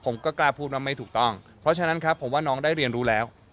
ผมก็กล้าพูดว่าไม่ถูกต้องเพราะฉะนั้นครับผมว่าน้องได้เรียนรู้แล้ว